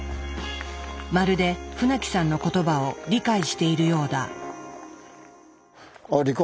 まるで船木さんの言葉を理解しているようだ。